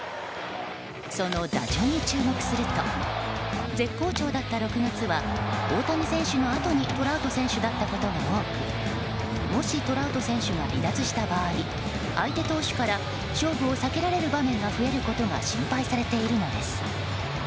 その打順に注目すると絶好調だった６月は大谷選手のあとにトラウト選手だったことが多くもしトラウト選手が離脱した場合相手投手から勝負を避けられる場面が増えることが心配されているのです。